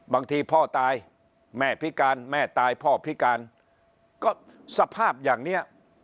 บางทีพ่อตายแม่พิการแม่ตายพ่อพิการก็สภาพอย่างเนี้ย